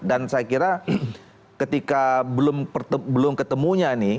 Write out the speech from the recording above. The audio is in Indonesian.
dan saya kira ketika belum ketemunya nih